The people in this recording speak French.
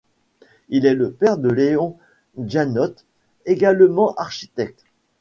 Il est le père de Léon Guiannotte, également architecte.